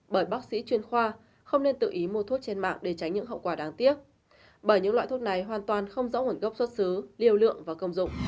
bởi bác sĩ chuyên khoa không nên tự ý mua thuốc trên mạng để tránh những hậu quả đáng tiếc